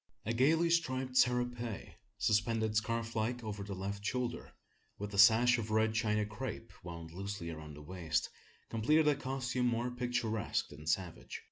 A gaily striped serape, suspended scarf like over the left shoulder, with a sash of red China crape wound loosely around the waist, completed a costume more picturesque than savage.